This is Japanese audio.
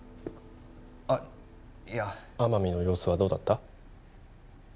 あっいや天海の様子はどうだった？